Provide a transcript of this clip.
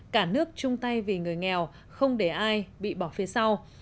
cả nước chung tay vì người nghèo không để ai bị bỏ phía sau